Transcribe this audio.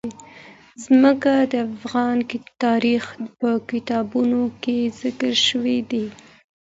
ځمکه د افغان تاریخ په کتابونو کې ذکر شوی دي.